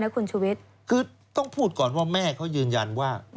คือต้องพูดก่อนว่าแม่เค้ายืนยันว่า